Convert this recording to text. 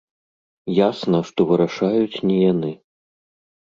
Ясна, што вырашаюць не яны.